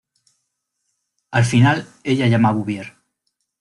Al final, ella llama a Bouvier.